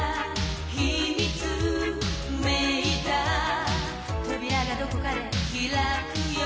「秘密めいた扉がどこかで開くよ」